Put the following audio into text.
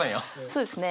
そうですね。